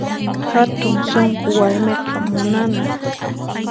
Hatun sunqu warmiqa munanan